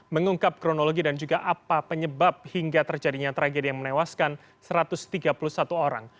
mengungkap kronologi dan juga apa penyebab hingga terjadinya tragedi yang menewaskan satu ratus tiga puluh satu orang